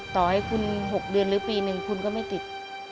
ต่อให้คุณ๖เดือนหรือปีหนึ่งคุณก็ไม่ติด